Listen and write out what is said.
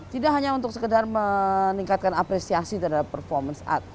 tidak hanya untuk sekedar meningkatkan apresiasi terhadap performance art